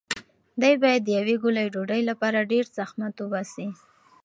دی باید د یوې ګولې ډوډۍ لپاره ډېر زحمت وباسي.